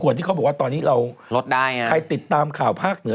ส่วนที่เขาบอกว่าตอนนี้เราลดได้ไงใครติดตามข่าวภาคเหนือ